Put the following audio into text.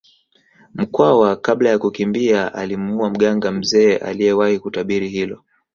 Mkwawa kabla ya kukimbia alimuua mganga mzee aliyewahi kutabiri hilo